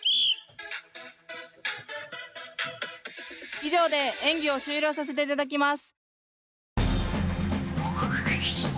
以上で演技を終了させていただきます。